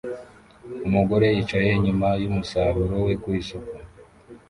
Umugore yicaye inyuma yumusaruro we ku isoko